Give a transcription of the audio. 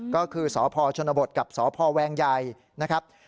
ก็คือสพชนบทกับสพแวงใหญ่นะครับ